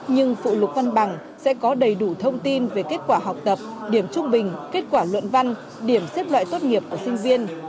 nhưng phụ lục văn bằng sẽ có đầy đủ thông tin về kết quả học tập điểm trung bình kết quả luận văn điểm xếp loại tốt nghiệp của sinh viên